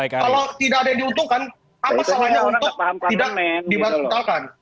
kalau tidak ada yang diuntungkan apa salahnya untuk tidak dibatalkan